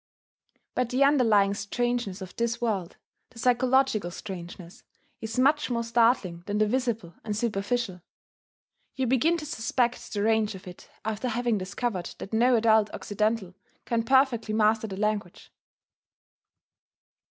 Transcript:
But the underlying strangeness of this world, the psychological strangeness, is much more startling than the visible and superficial. You begin to suspect the range of it after having discovered that no adult Occidental can perfectly master the language.